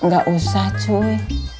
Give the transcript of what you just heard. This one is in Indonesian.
gak usah cuy